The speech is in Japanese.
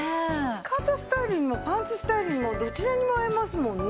スカートスタイルにもパンツスタイルにもどちらにも合いますもんね。